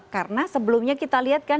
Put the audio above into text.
karena sebelumnya kita lihat kan